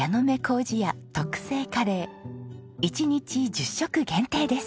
一日１０食限定です。